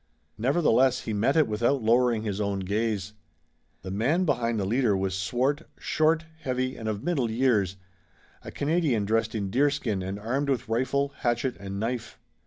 Nevertheless he met it without lowering his own gaze. The man behind the leader was swart, short, heavy and of middle years, a Canadian dressed in deerskin and armed with rifle, hatchet and knife.